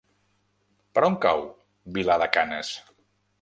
Per on cau Vilar de Canes?